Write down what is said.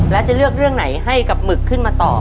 แล้วจะเลือกเรื่องไหนให้กับหมึกขึ้นมาตอบ